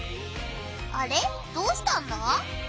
あれどうしたんだ？